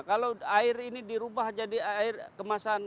kalau air ini dirubah jadi air kemasan